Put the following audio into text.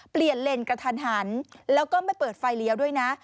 เปลี่ยนเลนกระทันหันแล้วก็ไม่เปิดไฟเลี้ยวด้วยนะ